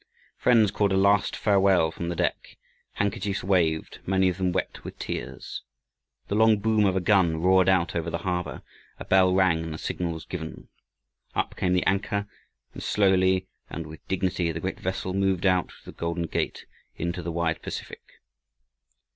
Friends called a last farewell from the deck, handkerchiefs waved, many of them wet with tears. The long boom of a gun roared out over the harbor, a bell rang, and the signal was given. Up came the anchor, and slowly and with dignity the great vessel moved out through the Golden Gate into the wide Pacific.